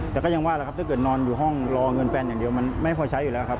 แต่ก็ยังว่าแหละครับถ้าเกิดนอนอยู่ห้องรอเงินแฟนอย่างเดียวมันไม่พอใช้อยู่แล้วครับ